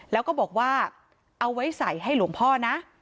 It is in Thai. แล้วก็บอกว่าเอาไว้ใส่ให้หลวงพ่อนะ